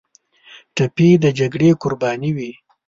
ټپي د جګړې قرباني وي.